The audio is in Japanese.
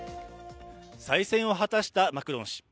再選を果たしたマクロン氏。